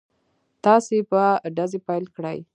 تاسې به ډزې پيل کړئ.